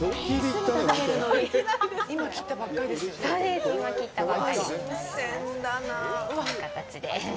今切ったばっかりですよね。